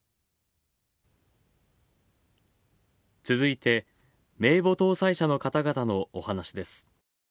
続いて、名簿登載者の方々の、お話です。